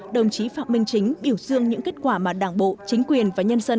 đồng chí phạm minh chính biểu dương những kết quả mà đảng bộ chính quyền và nhân dân